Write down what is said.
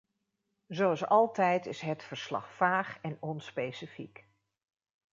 Zoals altijd is het verslag vaag en onspecifiek.